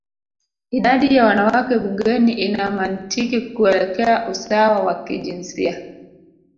idadi ya wanawake bungeni ina mantiki kuelekea usawa wa kijinsia